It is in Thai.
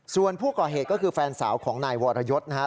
ส่วนผู้ก่อเหตุก็คือแฟนสาวของนายวรยศนะครับ